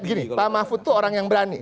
gini pak mahfud itu orang yang berani